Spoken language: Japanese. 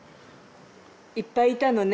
いっぱいいたのね